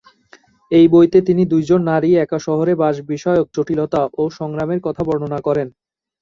এই বইতে তিনি দুজন নারী একা শহরে বাস বিষয়ক জটিলতা ও সংগ্রামের কথা বর্ণনা করেন।